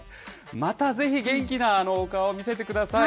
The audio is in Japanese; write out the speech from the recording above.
またぜひ、元気なお顔を見せてください。